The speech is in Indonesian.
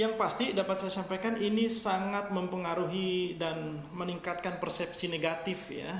yang pasti dapat saya sampaikan ini sangat mempengaruhi dan meningkatkan persepsi negatif ya